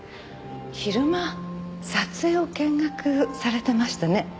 昼間撮影を見学されてましたね。